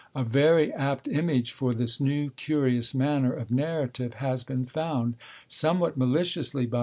A very apt image for this new, curious manner of narrative has been found, somewhat maliciously, by M.